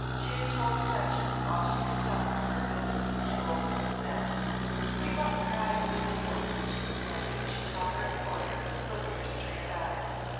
She had told the Duchess all she could tell her of her visit to old Mrs. Bennett. "We both cried a good deal," she explained when she saw her employer look at her stained eyes.